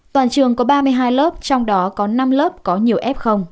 toàn trường có ba mươi hai lớp trong đó có năm lớp có nhiều f